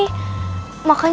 hukar dia sin